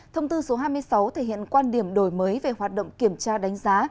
thông tư số hai mươi sáu thể hiện quan điểm đổi mới về hoạt động kiểm tra đánh giá